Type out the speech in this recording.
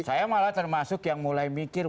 saya malah termasuk yang mulai mikir